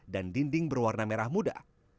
dan dinding berwarna merah muda